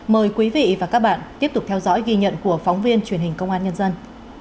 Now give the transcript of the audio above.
mời quý vị và các bạn tiếp tục theo dõi ghi nhận của phóng viên truyền hình công an nhân dân